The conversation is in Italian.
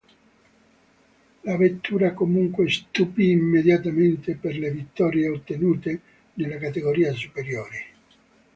La vettura, comunque, stupì immediatamente per le vittorie ottenute nella categoria superiore.